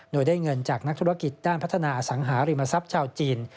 โดยได้เงินจากนักธุรกิจด้านพัฒนาอสังหาริมทรัพย์ชาวจีน